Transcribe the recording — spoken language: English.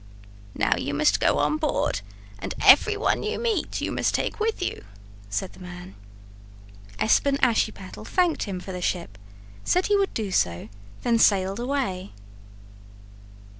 "Now you must go on board and everyone you meet you must take with you," said the man. Espen Ashiepattle thanked him for the ship, said he would do so, and then sailed away.